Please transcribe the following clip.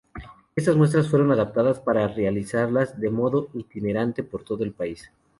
Estas muestras fueron adaptadas para realizarlas de modo itinerante por todo el país.